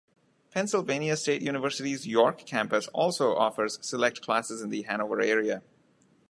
Pennsylvania State University's York Campus also offers select classes in the Hanover area.